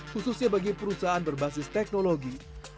khususnya bagi perusahaan berbasis teknologi